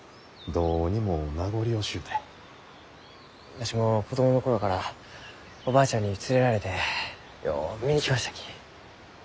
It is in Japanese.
わしも子供の頃からおばあちゃんに連れられてよう見に来ましたき。